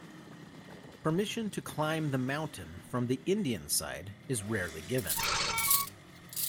Permission to climb the mountain from the Indian side is rarely given.